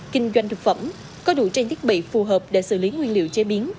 kinh doanh thực phẩm có đủ trang thiết bị phù hợp để xử lý nguyên liệu chế biến